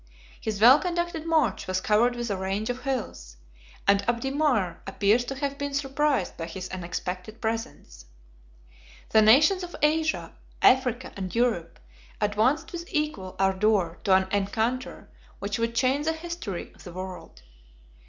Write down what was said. His well conducted march was covered with a range of hills, and Abderame appears to have been surprised by his unexpected presence. The nations of Asia, Africa, and Europe, advanced with equal ardor to an encounter which would change the history of the world.